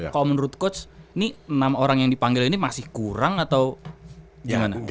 kalau menurut coach ini enam orang yang dipanggil ini masih kurang atau gimana